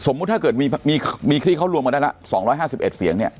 สมมติถ้าเกิดมีครีเค้าร่วมมาได้ล่ะ๒๕๑เสียงเนี่ย